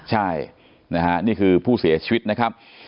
ใช่นะฮะนี่คือผู้เสียชีวิตนะครับ